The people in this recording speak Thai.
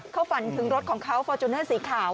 เขาฝันถึงรถของเขาฟอร์จูเนอร์สีขาว